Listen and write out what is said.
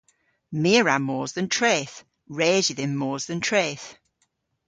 My a wra mos dhe'n treth. Res yw dhymm mos dhe'n treth.